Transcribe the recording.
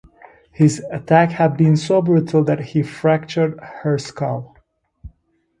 His attack had been so brutal that he fractured her skull.